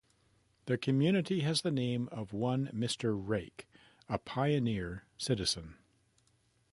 The community has the name of one Mr. Rake, a pioneer citizen.